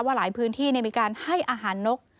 หลายพื้นที่มีการให้อาหารนก